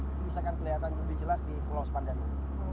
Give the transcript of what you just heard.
ini bisa kelihatan lebih jelas di pulau sepandanya